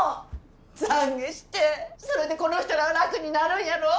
懺悔してそれでこの人らは楽になるんやろ？